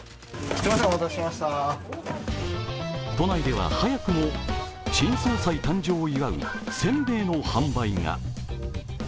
都内では早くも新総裁誕生を祝う煎餅の販売が。